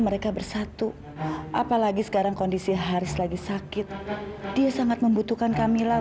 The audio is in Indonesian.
mereka bersatu apalagi sekarang kondisi haris lagi sakit dia sangat membutuhkan kamila